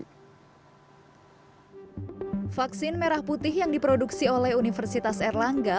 vaksin merah putih yang diproduksi oleh universitas erlangga